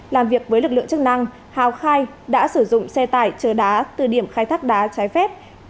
làm việc với lực lượng chức năng hào khai đã sử dụng xe tải chở đá từ điểm khai thác đá trái phép